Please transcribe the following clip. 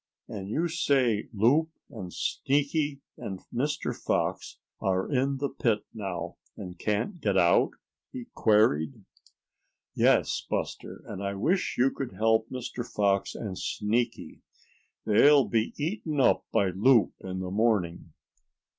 "And you say Loup, and Sneaky and Mr. Fox are in the pit now, and can't get out?" he queried. "Yes, Buster, and I wish you could help Mr. Fox and Sneaky. They'll be eaten up by Loup in the morning."